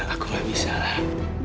aku gak bisa lah